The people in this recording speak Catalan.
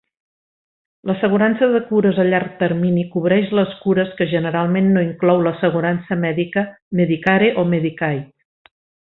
L'assegurança de cures a llarg termini cobreix les cures que generalment no inclou l'assegurança mèdica, Medicare o Medicaid.